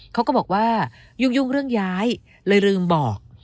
เขาก็บอกว่ายุ่งเรื่องย้ายเลยลืมบอก